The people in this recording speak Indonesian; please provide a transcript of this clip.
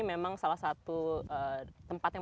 memang salah satu tempat yang